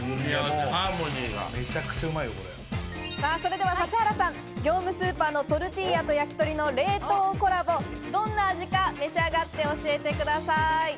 それでは指原さん、業務スーパーのトルティーヤと焼き鳥の冷凍コラボ、どんな味か召し上がって教えてください。